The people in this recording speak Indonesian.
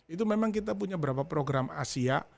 itu memang kita punya beberapa program asia